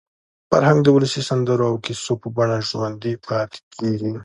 فرهنګ د ولسي سندرو او کیسو په بڼه ژوندي پاتې کېږي.